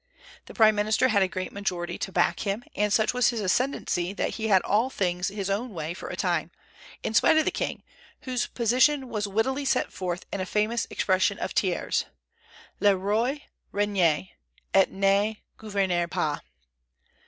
The prime minister had a great majority to back him, and such was his ascendency that he had all things his own way for a time, in spite of the king, whose position was wittily set forth in a famous expression of Thiers, Le Roi règne, et ne gouverne pas.